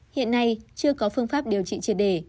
hiện nay chưa có phương pháp điều trị triệt đề